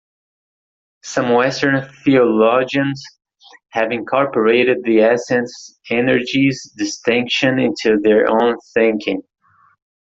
Some Western theologians have incorporated the essence-energies distinction into their own thinking.